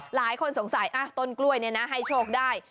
หลายคนสงสัยต้นกล้วยให้โชคได้